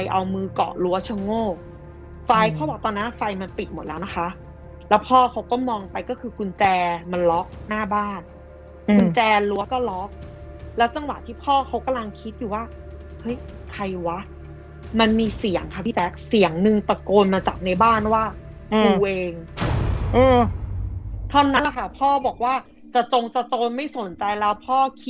เอามือเกาะรั้วชะโงกไฟเขาบอกตอนนั้นไฟมันปิดหมดแล้วนะคะแล้วพ่อเขาก็มองไปก็คือกุญแจมันล็อกหน้าบ้านกุญแจรั้วก็ล็อกแล้วจังหวะที่พ่อเขากำลังคิดอยู่ว่าเฮ้ยใครวะมันมีเสียงค่ะพี่แจ๊คเสียงนึงตะโกนมาจากในบ้านว่ากูเวงอืมเท่านั้นแหละค่ะพ่อบอกว่าจะตรงจะโตนไม่สนใจแล้วพ่อข